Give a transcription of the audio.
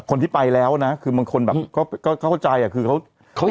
คนที่ไปแล้วนะคือบางคนแบบก็เข้าใจอ่ะคือเขา